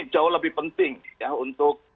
jauh lebih penting untuk